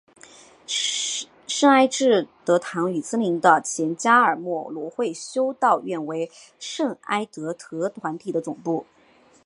圣艾智德堂与毗邻的前加尔默罗会修道院为圣艾智德团体的总部。